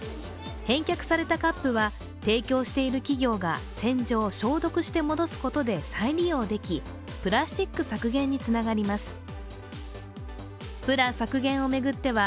返却されたカップは提供している企業が洗浄・消毒して戻すことで再利用でき、プラスチック削減につながります。